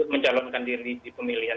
menjalankan diri di pemilihan